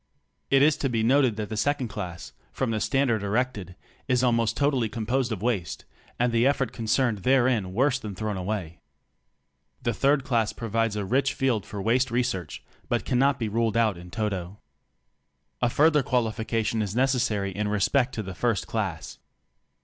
It is to be noted that the second class, from the standard erected, is almost totally composed of waste, and the effort concerned therein worse than thrown away. The third class provides a rich field for waste research, but cannot be ruled out in toto. A further qualification is necessary in respect to the hrst class.